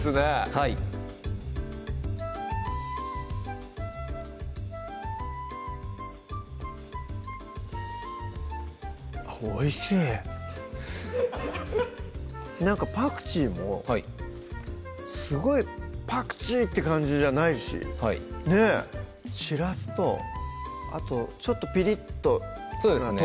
はいおいしいなんかパクチーもすごいパクチーって感じじゃないしはいねぇしらすとあとちょっとぴりっとそうですね